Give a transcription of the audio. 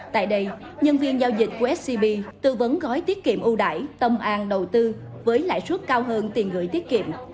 tại đây nhân viên giao dịch của scb tư vấn gói tiết kiệm ưu đải tâm an đầu tư với lãi suất cao hơn tiền gửi tiết kiệm